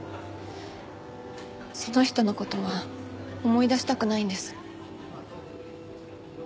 その人の事は思い出したくないんです。